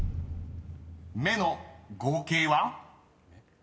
［目の合計は？］